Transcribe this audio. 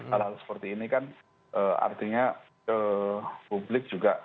hal hal seperti ini kan artinya publik juga